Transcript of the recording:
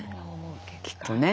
きっとね。